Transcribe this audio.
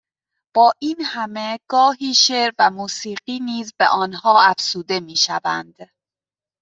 با این همه گاهی شعر و موسیقی نیز به آنها افزوده میشوند